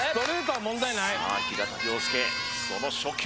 さあ平田良介その初球！